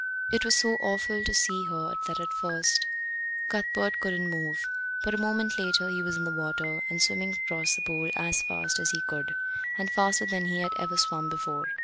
It was so awful to see her that at first Cuthbert couldn't move; but a moment later he was in the water and swimming across the pool as fast as he could, and faster than he had ever swum before.